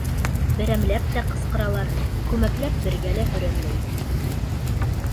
Берәмләп тә ҡысҡыралар, күмәкләп бергә лә һөрәнләйҙәр...